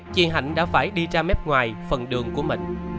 chị hạnh đã phải đi ra mép ngoài phần đường của mình